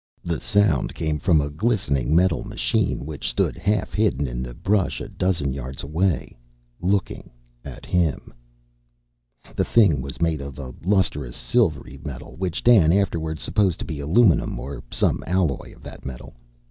The sound came from a glistening metal machine which stood half hidden in the brush a dozen yards away looking at him! The thing was made of a lustrous, silvery metal, which Dan afterwards supposed to be aluminum, or some alloy of that metal.